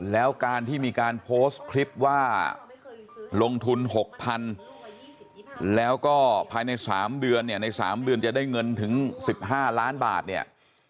แล้วการที่มีการโพสต์คลิปว่าลงทุน๖๐๐๐แล้วก็ภายใน๓เดือนเนี่ยใน๓เดือนจะได้เงินถึง๑๕ล้านบาทเนี่ย